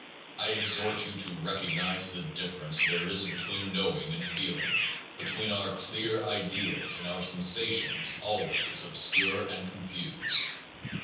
... I exhort you to recognize the differ ence there is between knowing and feeling, between our clear ideas, and our sensations always obscure and confused.